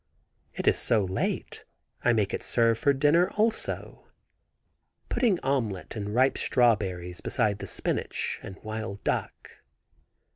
It is so late I make it serve for dinner also. Putting omelette and ripe strawberries beside the spinach and wild duck.